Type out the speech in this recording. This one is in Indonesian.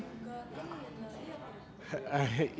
enggak ini ya enggak sih ya pak